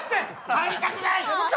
帰りたくない！